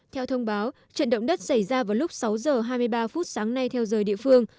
theo thông báo trận động đất xảy ra vào lúc sáu h hai mươi ba phút sáng nay theo giờ địa phương